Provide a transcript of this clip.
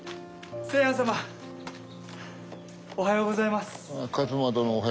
一馬殿おはようございます。